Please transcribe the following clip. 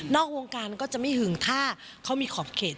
วงการก็จะไม่หึงถ้าเขามีขอบเขต